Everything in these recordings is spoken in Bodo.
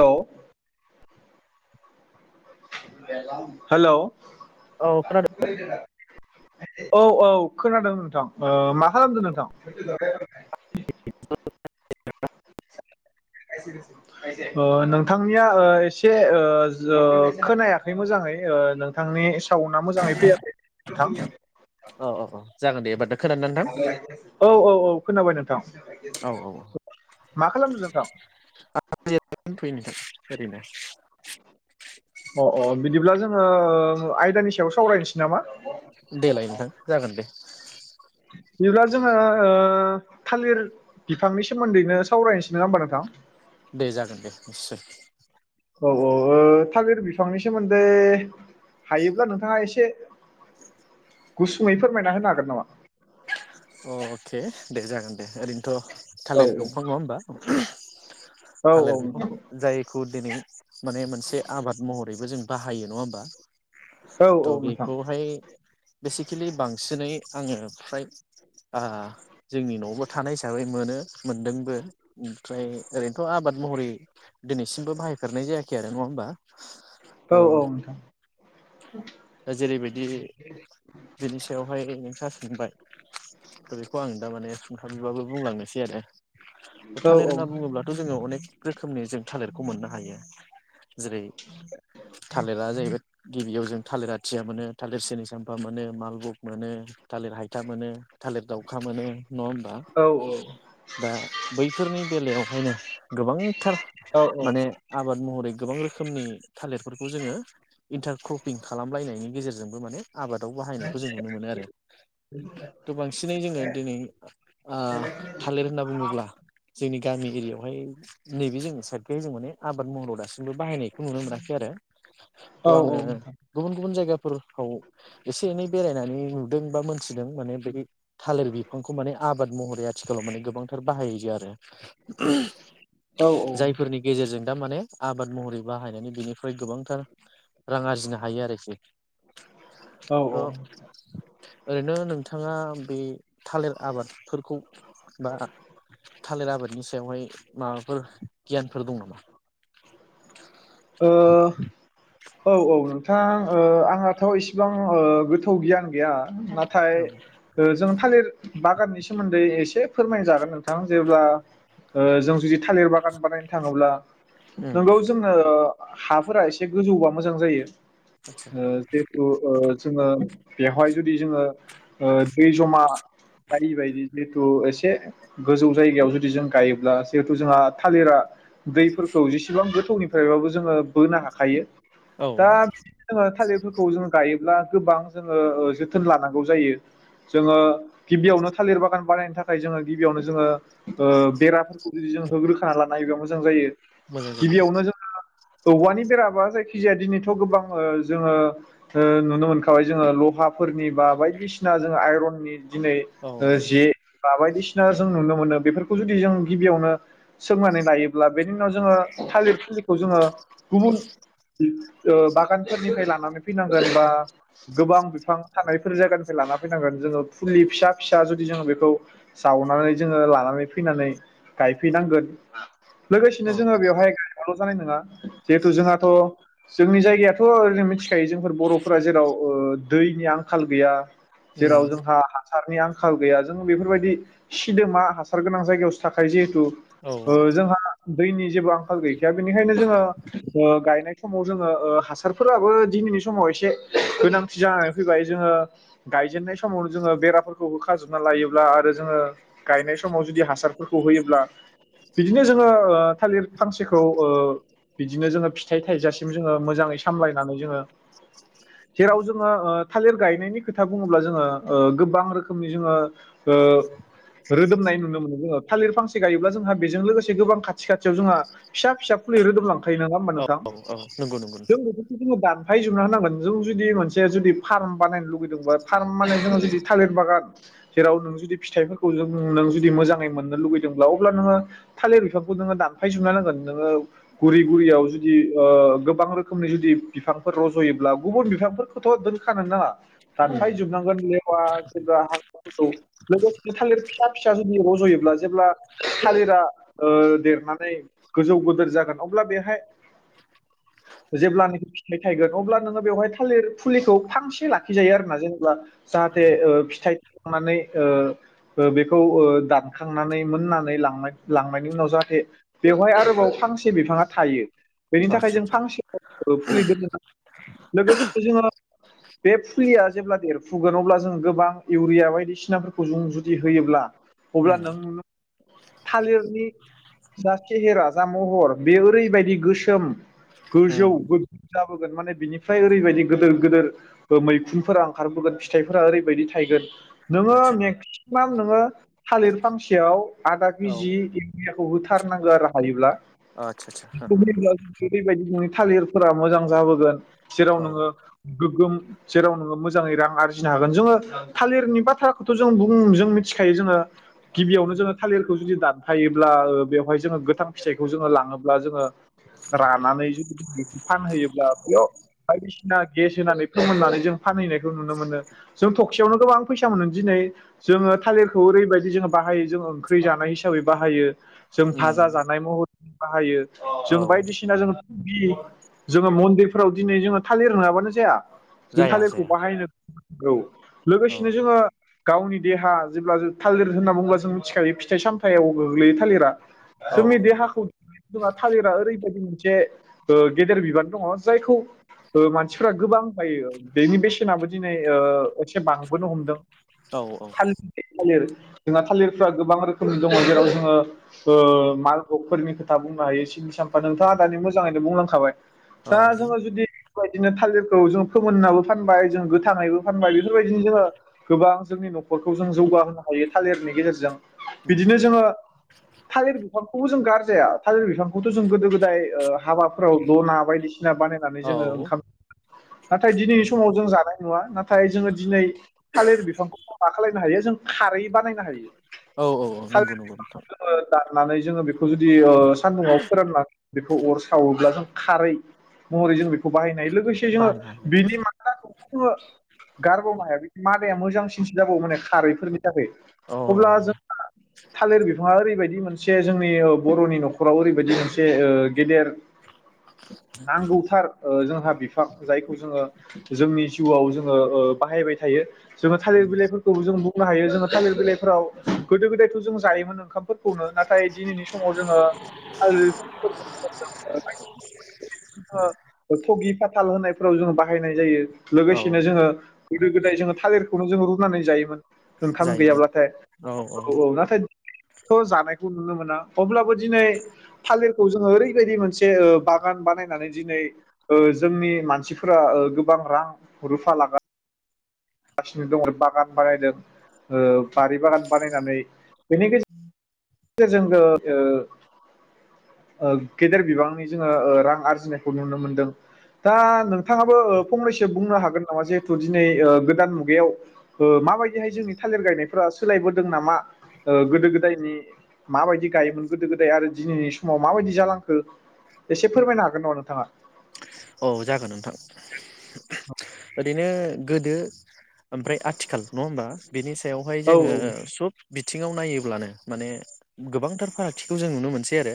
औ हेल औ खोनादों। औ औ खोनादों नोंथां ओ मा खालामदों नोंथां। [unintelligible] [unintelligible] ओ नोंथांनिया ओ एसेओ खोनायाखै मोजाङै ओ नोंथांनि साउना मोजाङै फैयाखै नोंथां अ अ अ जागोन दे बा दोन औ औ औ खोनाबाय नोंथां औ औ मा खालामदों नोंथां। [unintelligible] अ अ बिदिब्ला जोङो ओ आयदानि सायाव सावरायनोसै नामा। देलाय नोंथां जागोन दे। [unintelligible] बिदिब्ला जोङो ओ थालिर बिफांनि सोमोन्दैनो सावरायनोसै नङा होनबा नोंथां। दे जागोन दे निसय औ औ ओ थालिर बिफांनि सोमोन्दै हायोब्ला नोंथाङा एसे गुसुंमै फोरमायना होनो हागोन नामा [unintelligible] दे जागोन दे ओरैनोथ औ थालिर औ दंफां नङा होमबा औ थालिर नोंथां बिफांखौ जाय। गुदिनि माने मोनसे आबाद महर। बेखौ जों बाहायो नङा होमबा। औ औ [unintelligible] नोंथां बेखौ हाय बेसिकेलि बांसिनै आङो फ्राय आ जोंनि नयावबो थानाय हिसाबै मोनो मोनदोंबो ओमफ्राय ओरैनोथ आबाद महरै दिनैसिमबो बाहायफेरनाय जायाखै आरो नङा होमबा। औ थ' औ दा जेरैबायदि बिनि सायावहाय नोंथां बुंबाय दा बेखौ आं दा माने सुंथाबैबाबो बुंलांनोसै आरो औ थालिर होन्ना बुङोब्लाथ' जोङो अनेक रोखोमनि जों थालिरखौ मोननो हायो जेरै थालिरा जाहैबाय गिबियाव जों थालिर आथिया मोनो थालिर सिनि साम्फा मोनो मालभब मोनो थालिर हायथा मोनो थालिर दाउखा मोनो नङा होमबा औ दा बैफोरनि बेलायावहायनो गोबांथार औ माने आबाद महरै गोबां रोखोमनि थालिरफोरखौ जोङो इन्टारक्रप पिं खालामलायनायनि गेजेरजोंबो माने आबादाव बाहायनायखौ जों नुनो मोनो आरो थ' बांसिनै जोङो दिनै ओ थालिर होनना बुङोब्ला जोंनि गामि एरियायावहाय नैबे जों साइडखौ जों माने आबाद महराव दासिमबो बाहायनायखौ नुनो मोनाखै आरो औ थ' आङो औ गुबुन गुबुन जायगाफो ताव एसे एनै बेरायनानै नुदों बा मोन मिथिदों माने बै थालिर बिफांखौ माने आबाद महरै आथिखालाव माने गोबांथार बाहाययो आरो औ ओ जायफोरनि गेजेरजों दा माने आबाद महरै बाहायनानै बिनिफ्राय गोबांथार रां आरजिनो हायो आरोखि औ थ' औ ओरैनो नोंथाङा बे थालिर आबादफोरखौ बा थालिर आबादनि सायावहाय माबाफोर गियान फोर दं नामा? ओ औ औ नोंथां ओ आंहाथ' इसिबां ओ गोथौ गियान गैया नाथाय नामा? जों थालिर बागाननि सोमोन्दै एसे फोरमाय जागोन नोंथां जेब्ला ओ जों जुदि थालिर बागान बानायनो थाङोब्ला उम नोंगौ जोंनो हाफोरा एसे गोजौबा मोजां जायो आतसा ओ जेतु ओ जोङो बेवहाय जुदि जोङो ओ दै जमा जायि बायदि जिहेथु एसे गोजौ जायगायाव जुदि जों गायोब्ला जिहेथु जोंहा थालिरा दैफोरखौ जेसेबां गो थौनिफ्रायबाबो जोङो बोनो हाखायो औ दा [unintelligible] जोङो थालिर फोरखौ जों गायोब्ला गोबां जोङो ओ जोथोन लानांगौ जायो जोङो गिबियावनो थालिर बागान बानायनो थाखाय जोङो गिबियावनो जोङो ओ बेरा जुदि जों होग्रोखाना लानोहायोबा मोजां जायो। मोजां जायो। गिबियावनो जों औवानि बेरा बा जाय जायखि जाया दिनैथ' गोबां ओ जोङो नुनो मोनखाबाय जोङो लहाफोरनि बा बायदिसिना जोङो आइरननि दिनै औ जे बा बायदिसि सिना जों नुनो मोनो बेफोरखौ जुदि जों गिबियावनो सोंनानै लायोब्ला बेनि उनाव जोङो थालिर फुलिखौ जोङो गुबुन ओ बागानफोरनिफ्राय लानानै फैनांगोन बा गोबां बिफां थानायफोर जायगानिफ्राय लाना फैनांगोन जोङो फुलि फिसा फिसा जुदि जोङो बेखौ जावनानै जोङो लानानै फैनानै गायफैनांगोन। लोगोसेनो औ जोङो बेवहाय गायबाल' जानाय नङा जिहेथु जोंहाथ' जोंनि जायगायाथ' ओरैनो मिथि खायो जोंफोर बर'फोरा जेराव ओ दैनि आंखाल गैया उम जेराव जोंहा हासारनि आंखाल गैया जोङो बेफोरबायदि सिदोमा हासार गोनां जायगायावसो थाखायो जिहे थु औ ओ जोंहा दैनि जेबो आंखाल गै गैया बेनिखायनो जोङो गायनाय समाव जोङो ओ हासारफोराबो दिनैनि समाव एसे गोनांथि जानानै फैबाय जोङो गायजेननाय समावनो जोङो बेराफोरखौ हो खाजोबना लायोब्ला आरो जोङो गायनाय समाव जुदि हासारफोरखौ होयोब्ला बिदिनो जोङो थालिर फानसेखौ ओ बिदिनो जोङो फिथाइ थाइजासिम जोङो मोजाङै सामलायनानै जोङो जेराव जोंङो थालिर गायनायनि खोथा बुङोब्ला जोङो ओ गोबां रोखोमनि जोङो ओ रोदोमनाय नुनो मोनो जोङो थालिर फांसे गायोब्ला जोंहा बेजों लोगोसे गोबां खाथि खाथियाव जोंहा फिसा फिसा फुलि रोदोमलां दंखायो नङा होनोमा औ नोंथां? औ औ नंगौ नंगौ जों नोंथां बेफोरखौ जोङो दान फायजोबना होनांगोन जों जुदि मोनसे जुदि फार्म बानायनो लुगैदोंबा फार्म माने जोङो जुदि थालिर बागान जेराव नों जुदि फिथाइफोरखौ जों नों जुदि मोजाङै मोननो लुगैदोंब्ला अब्ला नोङो थालिर बिफांखौ नोङो दानफायजोबना नांगोन नोङो गुरि गुरियाव जुदि ओ गोबां रोखोमनि जुदि बिफांफोर रज'योब्ला गुबुन बिफांफोरखौथ' दोनखानो नाङा। उम दानफाय जोबनांगोन बे अब्ला जेब्ला हाग्राफोरखौ लोगोसे थालिर फिसा फिसा जुदि रज'योब्ला जेब्ला थालिरा ओ देरनानै गोजौ गोदोर जागोन अब्ला बेहाय जेब्ला नाखि फिथाइ थायगोन अब्ला नोङो बेवहाय थालिर फुलिखौ फांसे लाखिजायो आरोना जेनेबा जाहाथे ओ फिथाइ थायखांनानै ओ बेखौ दानखांनानै मोननानै लांनाय लांनायनि उनाव जाहाथे बेवहाय आरोबाव फांसे बिफाङा थायो। बेनि थाखाय आतसा जों आतसा फांसे फुलि दोननो नांगोन लोगोसे जोङो बे फुलिया जेब्ला देरफुगोन अब्ला जों गोबां इउरिया बायदिसिनाफोरखौ जों जुदि होयोब्ला अब्ला उम नों थालिरनि जा सेहेरा जा महर बे ओरैबायदि गोसो गोगोम गोजौ उम गोगोम जाबोगोन माने बिनिफ्राय ओरैबायदि गिदिर गिदिर मैखुनफोरा ओंखारबोगोन फिथाइफोरा ओरैबायदि थायगोन नोङो आतसा मेक मेगसिमाम नोङो थालिर फांसेयाव आदा औ केजि इउरियाखौ होथारनांगौ आरो हायोब्ला आतसा आतसा बेबायदि नोंनि थालिरफोरा मोजां जाबोगोन जेराव हो औ नोङो गोग्गोम जेराव नोङो मोजाङै रां आरजिनो हागोन जोङो थालिरनि बाथ्राखौथ' जों मिथिखायो जोङो गिबियावनो जोङो थालिरखौ जुदि दानफायोब्ला बेवहाय जोङो गोथां फिथाइखौ जोङो लाङोब्ला जोङो रानानै जुदि बेखौ फानहैयोब्ला बेयाव बायदिसिना गेस होनानै फोमहोननानै जों फानहैनायखौ नुनो मोनो जों थखसेयावनो गोबां फैसा मोनो दिनै जोङो थालिरखौ ओरैबायदि जोङो बाहायो जों ओंख्रि जानाय हिसाबै बाहायो जों उम भाजा जानाय महरै बाहायो अ जों औ बायदिसिना जोङो बि जोङो मन्दिरफोराव दिनै जोङो थालिर नंङाबानो जाया जों जाया थालिरखौ जाया बाहायनो औ औ लोगोसेनो जोङो गावनि देहा जेब्ला थालिर होनना बुङोब्ला जों मिथिखायो फिथाइ सामथायाइाव गोग्लैयो थालिरा औ जोंनि देहाखौ [unintelligible] थालिरा ओरैबायाददि मोनसे ओ गेदेर बिबान दङ जायखौ ओ मानसिफ्रा गोबां बायो बेनि बेसेनाबो ओ दिनै एसे बांबोनो हमदों औ औ थालिर थालिर जोंहा थालिरफ्रा गोबां रोखोमनि दङ जेराव जोङो मालभगफोरनि खोथा बुंनो हायो स्नि सामफा नोंथाङा दानि मोजाङैनो बुंलांखाबाय औ दा जोङो जुदि बेबायदिनो थालिरखौ जों फोमोननाबो फानबाय जों गोथाङैबो फानबाय बेफोरबायदिनो जोङो गोबां जोंनि न'खरखौ जों जौगाहोनो हायो थालिरनि गेजेरजों उम बिदिनो जोङो थालिर बिफांखौबो जों गारजाया थालिर बिफां खौथ' जों गोदो गोदाय हाबाफोराव दना बायदिसिना बानायनानै औ जोङो ओंखामो नाथाय दिनैनि समाव जों जानाय नुवा नाथाय जोङो दिनै थालिर बिफांखौ मा खालायनो हायो जों खारै बानायनो हायो औ औ नंगौ थालिर नंगौ बिफांखौ नोंथां जोङो दाननानै जोङो बेखौ जुदि ओ सान्दुंङाव फोराननानै बेखौ अर सावोब्ला जों खारै महरै जों बेखौ बाहायनाय लोगोसे जोङो बाहायनो हायो बेनि माथा जोंङो गारबावनो हाया बे मादाया मोजांसिनसो जाबावो माने खारैफोरनि थाखाय औ अब्ला जोंहा थालिर बिफाङा ओरैबायदि मोनसे जोंनि ओ बर'नि न'खराव ओरैबायदि मोनसे गेदेर नांगौथार जोंहा बिफां जायखौ जोङो जोंनि जिउआव जोङो ओ बाहायबाय थायो जोङो थालिर उम बिलाइफोरखौ जों बुंनो हायो जोङो थालिर बिलाइफोराव गोदो गोदायथ' जों जायोमोन ओंखामफोरखौनो नाथाय दिनैनि समाव जोङो थाल [unintelligible] थगि फाथाल होननायफोराव जोङो बाहायनाय जायो औ लोगोसेनो जोङो गोदो गोदाय जोङो थालिरखौनो जोङो रुनानै जायोमोन ओंखाम जायोमोन गैयाब्लाथाय औ औ नाथाय जानायखौ नुनो मोना अब्लाबो दिनै थालिरखौ जोङो ओरैबायदि मोनसे ओ बागान बानायनानै दिनै जोंनि मानसिफोरा ओ गोबां रां रुफा लागा लागासिनो दङ बागान बानायदों ओ बारि बागान बानायनानै बेनि गेजे गेजेरजों ओ गेदेर बिबांनि जोङो रां आरजिनायखौ नुनो मोनदों दा नोंथाङाबो फंनैसो बुंनो हागोन नामा जिहेथु दिनै गोदान मुगायाव ओ माबायदिहाय जोंनि थालिर गायनायफोरा सोलायबोदों नामा गोदो गोदायनि माबायदि गायोमोन गोदो गोदाय आरो दिनैनि समाव माबायदि जालांखो एसे फोरमायनो हागोन नामा नोंथाङा? औ जागोन नोंथां ओरैनो गोदो ओमफ्राय आथिखाल नङा होमबा बिनि सायावहाय औ औ जोङो सब बिथिङाव नायोब्लानो माने गोबांथार फारागथिखौ जों नुनो मोनसै आरो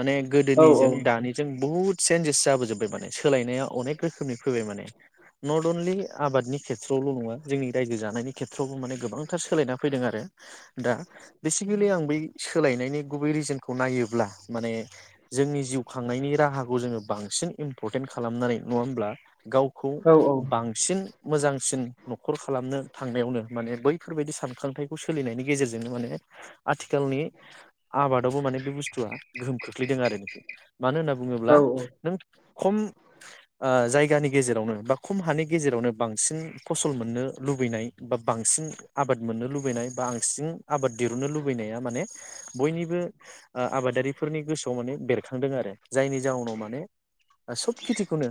माने औ गोदोनिजों दानिजों बुहुद चेन्जेस जाबोजोबबाय माने सोलायनाया अनेक रोखोमनि फैबाय माने नट अनलि आबादनि खेथ्रआवल' नङा जोंनि रायजो जानायनि खेथ्रआवबो माने गोबांथार सोलायना फैदों आरो दा बेसिकेलि आं बै सोलायनायनि गुबै रिजनखौ नायोबा अब्ला माने जोंनि जिउ खांनायनि राहाखौ जोङो बांसिन इम्परटेन्ट खालामनानै नङा होमब्ला गावखौ औ बांसिन मोजां बांसिन न'खर खालामनो थांनायावनो माने बैफोरबायदि सानखांथाइखौ सोलिनायनि गेजेरजोंनो माने आथिखालनि आबादावबो माने बे बुस्थुआ गोहोम खोख्लैदों आरो मानो होनना औ बुङोब्ला नों खम जायगानि गेजेरावनो खम हानि गेजेरावनो बांसिन फसल मोननो लुबैनाय बा बांसिन आबाद मोननो लुबैनाय बा बांसिन आबाद दिरुननो लुबैनाया माने बयनिबो आबादारिफोरनि गोसोआव माने बेरखांदों आरो जायनि जाउनाव माने सब खेथिखौनो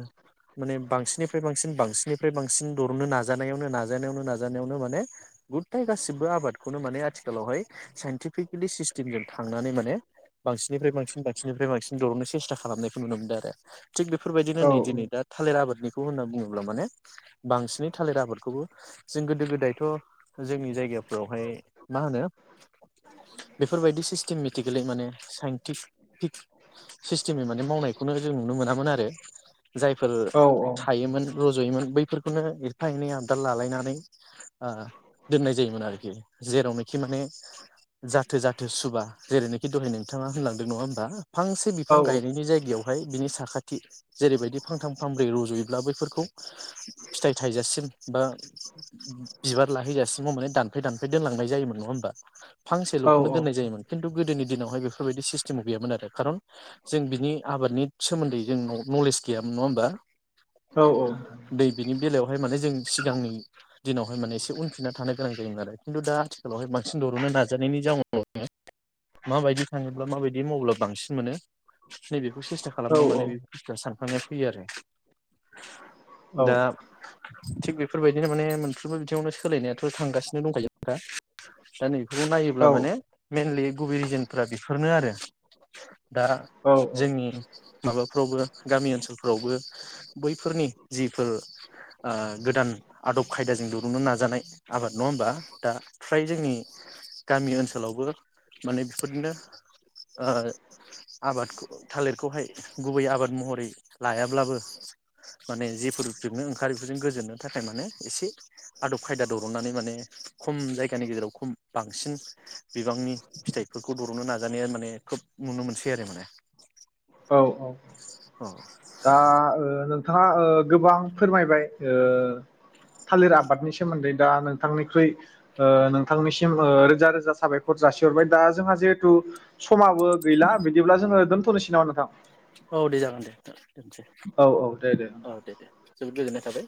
माने बांसिनै फ्राय बांसिन बांसिननिफ्राय बांसिन दरननो नाजानायावनो नाजानायावनो नाजानायावनो माने गुथाय गासिबो आबादखौनो माने आथिखालावहाय साइन्टिफिकेलि सिस्टेमजों थांनानै माने बांसिननिफ्राय बांसिन बांसिननिफ्राय बांसिन दरननो सेस्था खालामनायखौ नुनो मोनदों आरो थिग बेफोरबायदिनो औ नै दिनै दा थालिर आबादनि बुङोब्ला माने बांसिनै थालिरआबादखौबो जों गोदो गोदायथ' जोंनि जायगाफ्रावहाय मा होनो बेफोरबायदि सिस्टेमेटिकेलि माने साइन्टिफिक सिस्टेमै माने मावनायखौनो जों नुनो मोनामोन आरो जायफोर औ गायोमोन रज'योमोन बैफोरखौनो एफा एनै आबदाल लालायनानै ओ दोननाय जायोमोन आरोखि जेरावनोखि माने जाथो जाथो सुबा जेरैनोखि दहाय नोंथाङा होनलांदों नङा होमबा फांसे औ बिफां गायनायनि जायगायाव फाय बिनि साखाथि जेरैबायदि फांथाम फांब्रै रज'यो अब्ला बैफोरखौ फिथाइ थाइजासिम बा बिबार लाहैजासिम माने दानफै दानफै दोनलांनाय जायोमोन नङा होमबा। फांसेल'खौनो दोननाय जायोमोन खिन्थु गोदोनि दिनावहाय बेफोरबायदि सिस्टेमाव गैयामोन आरो खारन जों बिनि आबादनि सोमोन्दै जोंनाव नलेज गैयामोन नङा होमबा। दै बिनि बेलायाव बेहाय माने जों सिगांनि दिनावहाय माने एसे उनफिनना थानो गोनां जायोमोन आरो खिन्थु दा आथिखालावहाय बांसिन दर'नो नाजानायनि जाउनावनो माबायदि थाङोब्ला माबायदि मावब्ला बांसिन मोनो नैबेखौ सेस्था खालामनायाव माने बे बुस्थुआ सान थांनाय फैयो आरो दा थिग बेफोरबायदिनो माने मोनफ्रोमबो बिथिङावनो सोलायनायाथ' थांगासिनो दंखायो दा दा नैखौ नायोब्ला माने मेनलि गुबै रिजोनफ्रा बेफोरनो आरो दा जोंनि माबाफ्रावबो गामि ओनसोलफ्रावबो बैफोरनि जिफोर ओ गोदान आदब खायदाजों दुरुननो नाजानाय आबाद नङा होमबा दा फ्राय जोंनि गामि ओनसोलावबो माने बेफोरदिनो ओ आबादखौ थालिरखौहाय गुबै आबाद महरै लायाब्लाबो माने जेफोर जनो ओंखारो बेफोरजों गोजोननो थाखाय माने एसे आदब खायदा दरननानै माने खम जायगानि गेजेराव खम बांसिन बिबांनि फिथाइफोरखौ दर'नो नाजानाया माने खोब नुनो मोनसै आरो माने औ औ औ दा ओ नोंथाङा ओ गोबां फोरमायबाय ओ थालिर आबादनि सोमोन्दै दा नोंथांनिख्रुइ ओ नोंथांनिसिम ओ रोजा रोजा साबायखर जासिहरबाय दा जोंहा जिहेथु समाबो गैला बिदिब्ला जोङो दोनथ'नोसै नामा नोंथां औ दे जागोन दे दोनसै औ औ दे नोंथां औ दे दे जोबोद गोजोननाय थाबाय